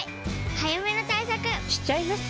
早めの対策しちゃいます。